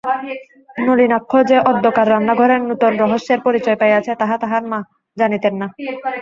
নলিনাক্ষ যে অদ্যকার রান্নাঘরের নূতন রহস্যের পরিচয় পাইয়াছে তাহা তাহার মা জানিতেন না।